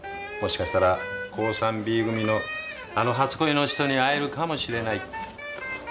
もしかしたら高３Ｂ組のあの初恋の人に会えるかもしれない。